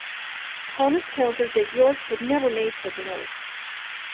Thomas countered that York had never made such an oath.